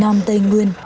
nam tây nguyên